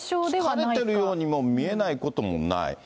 疲れているように見えないこともない。